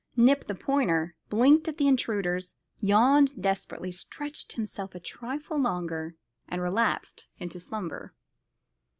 Nip, the pointer, blinked at the intruders, yawned desperately, stretched himself a trifle longer, and relapsed into slumber.